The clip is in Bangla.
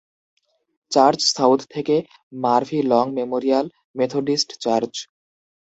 চার্চ সাউথ থেকে Murphy long memorial methodist church.